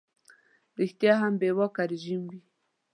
ریشتیا هم بې واکه رژیم وي.